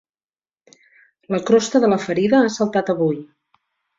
La crosta de la ferida ha saltat avui.